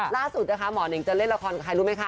ล่าสุดนะคะหมอนิงจะเล่นละครกับใครรู้ไหมคะ